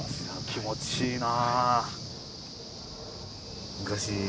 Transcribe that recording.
気持ちいいな。